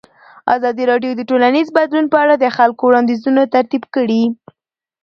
ازادي راډیو د ټولنیز بدلون په اړه د خلکو وړاندیزونه ترتیب کړي.